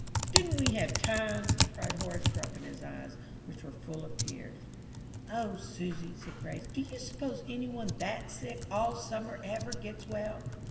"Didn't we have times!" cried Horace, dropping his eyes, which were full of tears. "O Susy," said Grace, "do you suppose any one that's sick all summer ever gets well?"